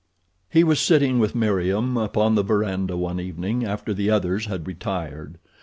He was sitting with Meriem upon the verandah one evening after the others had retired.